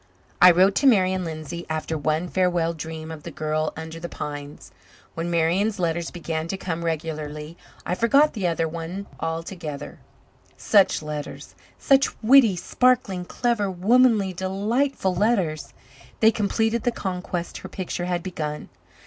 I wrote to Marian Lindsay after one farewell dream of the girl under the pines. When Marian's letters began to come regularly I forgot the other one altogether. Such letters such witty, sparkling, clever, womanly, delightful letters! They completed the conquest her picture had begun.